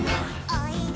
「おいで」